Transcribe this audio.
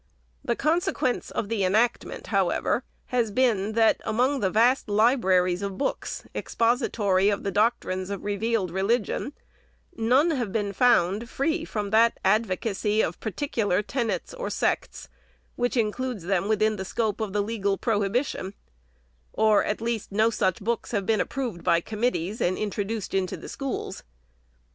The consequence of the enactment, however, has been, that among the vast libraries of books, expository of the doctrines of revealed religion, none have been found, free from that advocacy of particular 424 THE SECRETARY'S " tenets " or " sects," which includes them within the scope of the legal prohibition ; or, at least, no such books have been approved by committees, and introduced into the schools.